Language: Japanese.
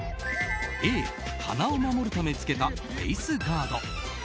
Ａ、鼻を守るため着けたフェースガード。